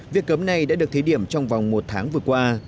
việc cấm này đã được thí điểm trong vòng một tháng vừa qua